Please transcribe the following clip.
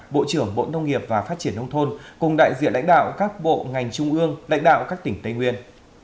bộ trưởng bộ nông nghiệp và phát triển nông thôn cùng đại diện lãnh đạo các bộ ngành trung ương lãnh đạo các tỉnh tây nguyên